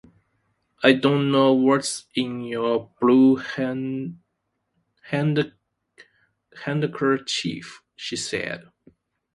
“I don’t know what’s in your blue handkerchief,” she said.